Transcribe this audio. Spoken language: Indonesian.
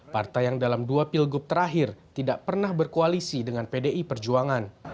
partai yang dalam dua pilgub terakhir tidak pernah berkoalisi dengan pdi perjuangan